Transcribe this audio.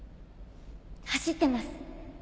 走ってます。